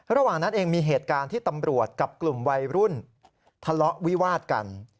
ระหว่างนั้นเองมีเหตุการณ์ที่ตำรวจกับกลุ่มวัยรุ่นทะเลาะวิวาดกัน